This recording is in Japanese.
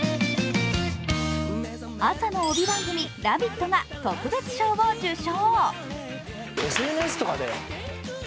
朝の帯番組、「ラヴィット！」が特別賞を受賞。